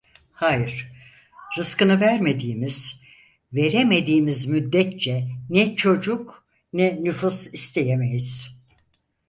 Hayır, rızkını vermediğimiz, veremediğimiz müddetçe ne çocuk, ne nüfus isteyemeyiz.